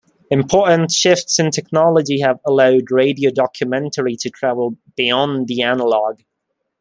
Important shifts in technology have allowed radio documentary to travel beyond the analog.